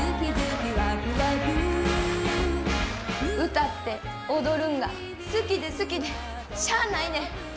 歌って踊るんが好きで好きでしゃあないねん。